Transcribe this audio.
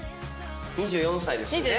２４歳ですよね？